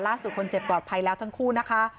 คนเจ็บปลอดภัยแล้วทั้งคู่นะคะ